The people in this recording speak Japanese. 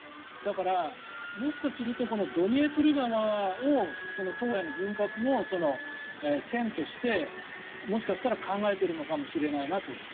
だから、もしかするとドニエプル川を東西の分割の線としてもしかしたら考えているかもしれないなと。